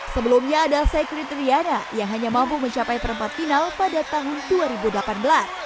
sebelumnya ada sekri triana yang hanya mampu mencapai perempat final pada tahun dua ribu delapan belas